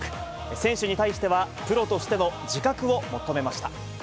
選手に対しては、プロとしての自覚を求めました。